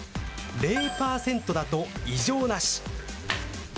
０％だと異常なし。